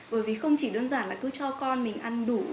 bởi vì không chỉ đơn giản là cứ cho con mình ăn đủ